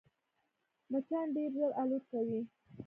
مچان ډېر ژر الوت کوي